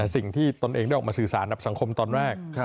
ตนเองได้ออกมาสื่อสารกับสังคมตอนแรก